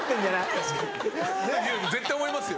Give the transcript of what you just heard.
確かに絶対思いますよ。